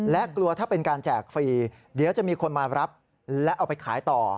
และกลัวถ้าเป็นการแจกฟรีเดี๋ยวจะมีคนมารับและเอาไปขายต่อ